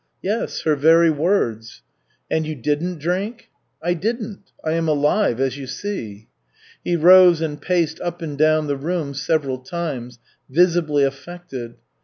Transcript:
"Yes, her very words." "And you didn't drink?" "I didn't. I am alive, as you see." He rose and paced up and down the room several times, visibly affected.